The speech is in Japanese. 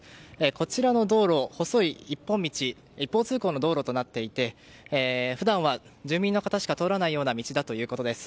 こちらの道路、細い１本道一方通行の道路となっていて普段は、住民の方しか通らない道だということです。